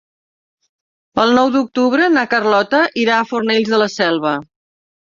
El nou d'octubre na Carlota irà a Fornells de la Selva.